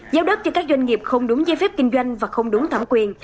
giao đất cho các doanh nghiệp không đúng giấy phép kinh doanh và không đúng thẩm quyền